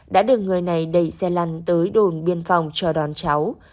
đã được người này đẩy xe lăn tới đồn biên phòng chờ đón cháu